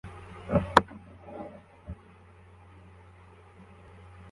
Umugore wambaye igitambaro cyera yicaye hafi yindabyo zera